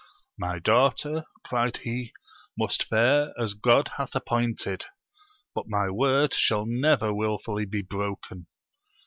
My daughter, cried he, must fare as God hath ap pointed ; but my word shall never wilfully be broken